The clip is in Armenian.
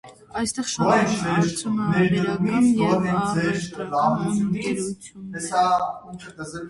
Այստեղ շատ են արդյունաբերական և առևտրական ընկերությունները։